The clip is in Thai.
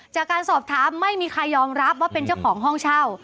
จากการสอบถามไม่มีใครยอมรับว่าเป็นเจ้าของห้องเช่า